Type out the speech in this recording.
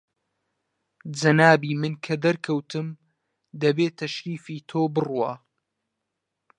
جەنابی من کە دەرکەوتم، دەبێ تەشریفی تۆ بڕوا